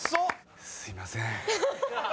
すいません。